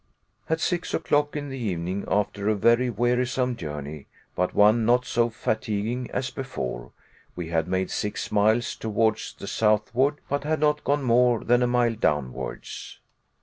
At six o'clock in the evening, after a very wearisome journey, but one not so fatiguing as before, we had made six miles towards the southward, but had not gone more than a mile downwards.